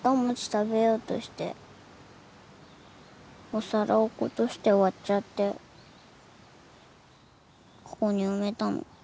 食べようとしてお皿落っことして割っちゃってここに埋めたの。